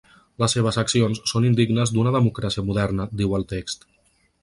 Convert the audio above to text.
Les seves accions són indignes d’una democràcia moderna, diu el text.